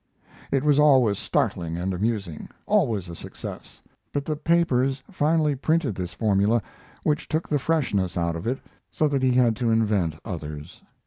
It was always startling and amusing, always a success; but the papers finally printed this formula, which took the freshness out of it, so that he had to invent others.